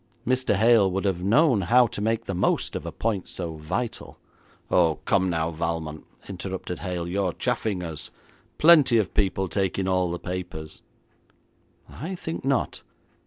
Mr. Hale would have known how to make the most of a point so vital.' 'Oh, come now, Valmont,' interrupted Hale, 'you're chaffing us. Plenty of people take in all the papers!' 'I think not.